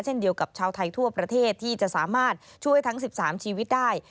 เช่นเดียวกับชาวไทยทั่วประเทศที่จะสามารถช่วยทั้ง๑๓ชีวิตได้